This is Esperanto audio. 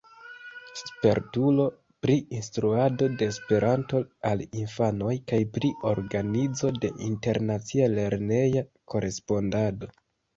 Spertulo pri instruado de Esperanto al infanoj kaj pri organizo de internacia lerneja korespondado.